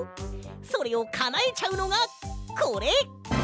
それをかなえちゃうのがこれ！